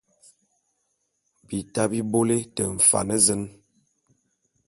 Bita bi bôle te mfan zen !